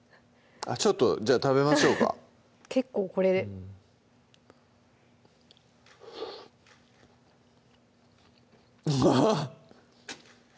ちょっとじゃあ食べましょうか結構これうまっ！